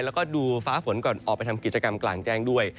แล้วก็ดูฟ้าฝนก่อนออกไปทำกิจกรรมกลางแจ้งด้วย